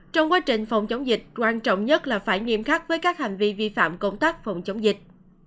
trong quá trình phòng chống dịch quan trọng nhất là phải nghiêm khắc với các hành vi vi phạm công tác phòng chống dịch